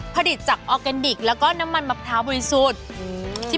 ผลิตจากออร์แกนิคแล้วก็น้ำมันมะพร้าวบริสุทธิ์อืม